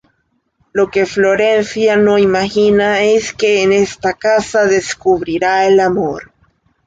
Lo que Florencia no imagina es que en esta casa descubrirá el amor.